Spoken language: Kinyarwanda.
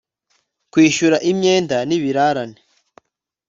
Kwishyura imyenda n ibirarane